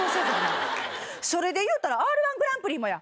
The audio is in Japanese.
それでいうたらＲ−１グランプリもや！